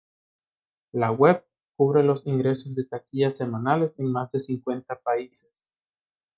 La web cubre los ingresos de taquilla semanales en más de cincuenta países.